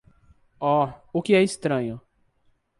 Oh, o que é estranho?